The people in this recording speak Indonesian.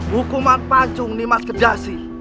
hukuman pancung milan kedasih